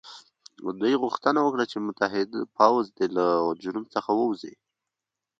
دوی غوښتنه وکړه چې متحد پوځ دې له جنوب څخه ووځي.